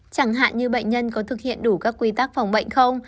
chẳng hạn như bệnh nhân có thực hiện đủ các quy tắc phòng bệnh không